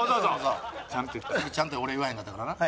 さっきちゃんと俺言わへんかったからな。